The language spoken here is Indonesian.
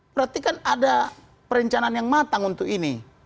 berarti kan ada perencanaan yang matang untuk ini